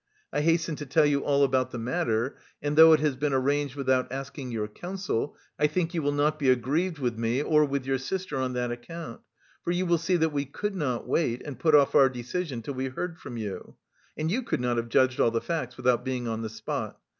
I hasten to tell you all about the matter, and though it has been arranged without asking your consent, I think you will not be aggrieved with me or with your sister on that account, for you will see that we could not wait and put off our decision till we heard from you. And you could not have judged all the facts without being on the spot.